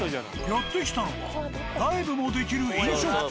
やって来たのはライブもできる飲食店。